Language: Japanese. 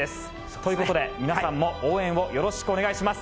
ということで、皆さんも応援をよろしくお願いします。